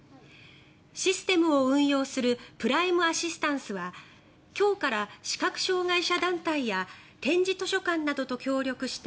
システムを運用するプライムアシスタンスは今日から視覚障害者団体や点字図書館などと協力して